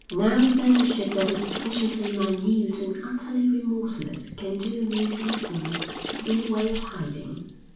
Now a censorship that is sufficiently minute and utterly remorseless can do amazing things in the way of hiding